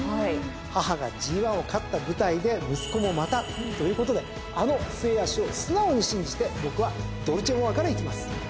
母がＧⅠを勝った舞台で息子もまたということであの末脚を素直に信じて僕はドルチェモアからいきます。